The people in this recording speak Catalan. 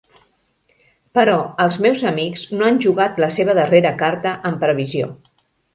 Però els meus amics no han jugat la seva darrera carta en previsió.